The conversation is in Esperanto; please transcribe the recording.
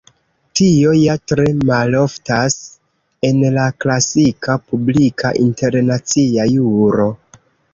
Tio ja tre maloftas en la klasika publika internacia juro.